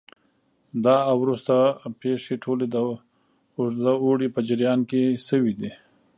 دا او وروسته پېښې ټولې د اوږده اوړي په جریان کې شوې دي